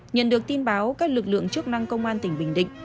nhận được tin báo các lực lượng chức năng công an tỉnh bình định